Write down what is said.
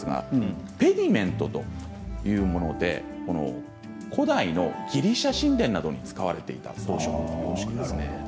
ペディメントというもので古代のギリシャ神殿などに使われていた装飾の様式です。